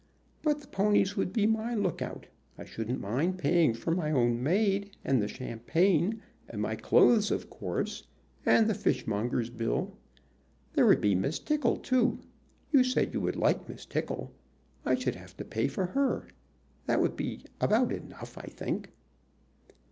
"But the ponies would be my lookout. I shouldn't mind paying for my own maid, and the champagne, and my clothes, of course, and the fish monger's bill. There would be Miss Tickle, too. You said you would like Miss Tickle. I should have to pay for her. That would be about enough, I think."